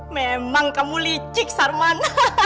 memang kamu licik sarman